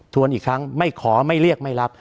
วนอีกครั้งไม่ขอไม่เรียกไม่รับ